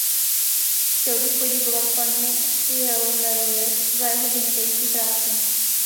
Chtěl bych poděkovat panu Fjellnerovi za jeho vynikající práci.